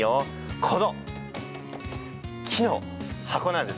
この木の箱なんです。